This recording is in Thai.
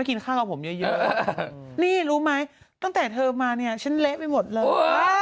กินข้าวกับผมเยอะนี่รู้ไหมตั้งแต่เธอมาเนี่ยฉันเละไปหมดเลย